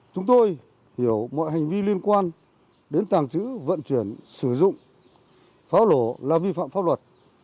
chúng tôi hiểu mọi hành vi liên quan đến tàng trữ vận chuyển sử dụng pháo nổ là vi phạm pháp luật